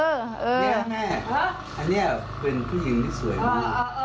นี่แม่อันนี้เป็นผู้หญิงที่สวยมาก